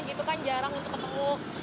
gitu kan jarang untuk ketemu